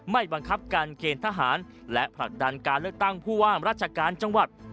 ไม่บังคับการเกณฑ์ทหารและผลักดันการเลือกตั้งผู้ว่ามราชการจังหวัด